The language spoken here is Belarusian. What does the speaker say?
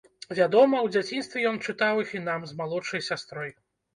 Вядома, у дзяцінстве ён чытаў іх і нам з малодшай сястрой.